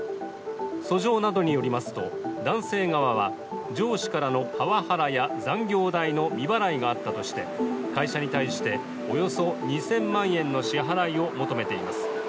訴状などによりますと、男性側は上司からのパワハラや残業代の未払いがあったとして会社に対しておよそ２０００万円の支払いを求めています。